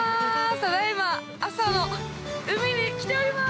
ただいま、朝の海に来ております。